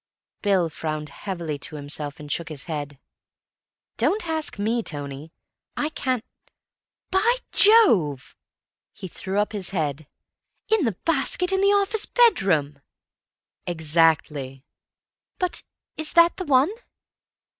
Bill frowned heavily to himself, and shook his head. "Don't ask me, Tony. I can't—By Jove!" He threw up his head, "In the basket in the office bedroom!" "Exactly." "But is that the one?"